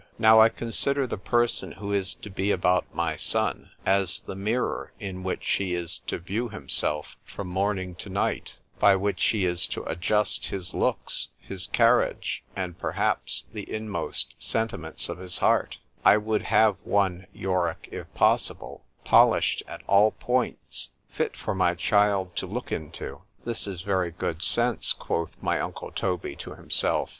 Now as I consider the person who is to be about my son, as the mirror in which he is to view himself from morning to night, by which he is to adjust his looks, his carriage, and perhaps the inmost sentiments of his heart;—I would have one, Yorick, if possible, polished at all points, fit for my child to look into.——This is very good sense, quoth my uncle Toby to himself.